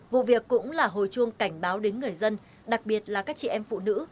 vụ việc cũng là hồi chuông cảnh báo đến người dân đặc biệt là các chị em phụ nữ